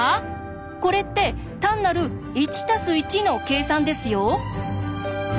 これって単なる「１＋１」の計算ですよ。